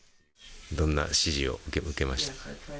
どんな指示を受けましたか？